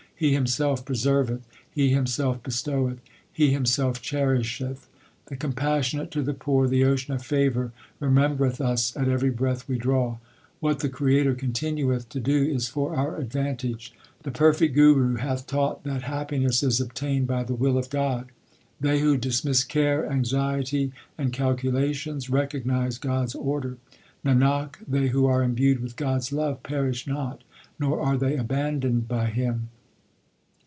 He Himself preserveth ; He Himself bestoweth ; He Him self cherisheth. The compassionate to the poor, the ocean of favour remembereth us at every breath we draw. What the Creator continueth to do is for our advantage. The perfect Guru hath taught that happiness is obtained by the will of God. They who dismiss care, anxiety, and calculations, recognize God s order. Nanak, they who are imbued with God s love perish not, nor are they abandoned by Him.